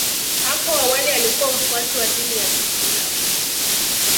Apo awali alikuwa mfuasi wa dini ya Kiislam